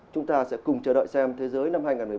chúng ta sẽ cùng chờ đợi xem thế giới năm hai nghìn một mươi bốn